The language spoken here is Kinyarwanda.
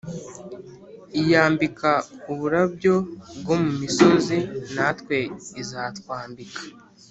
Iyambika uburabyo bwo mu misozi natwe izatwambika